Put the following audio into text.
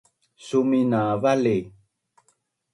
Sumin na vali!